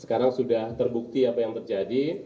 sekarang sudah terbukti apa yang terjadi